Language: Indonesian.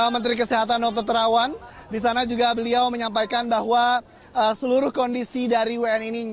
menteri kesehatan dr terawan di sana juga beliau menyampaikan bahwa seluruh kondisi dari wni ini